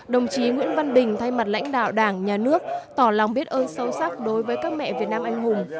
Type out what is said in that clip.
đồng chí nguyễn văn bình thay mặt lãnh đạo đảng nhà nước tỏ lòng biết ơn sâu sắc đối với các mẹ việt nam anh hùng